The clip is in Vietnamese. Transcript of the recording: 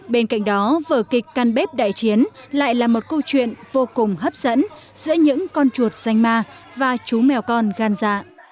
bên cạnh đó vở kịch căn bếp đại chiến lại là một câu chuyện vô cùng hấp dẫn giữa những con chuột danh ma và chú mèo con gan dạ